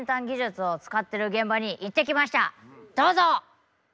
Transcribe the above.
どうぞ！